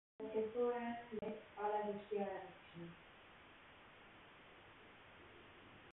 Girên keskesor ên li bajarê Îdirê bala geştiyaran dikişînin.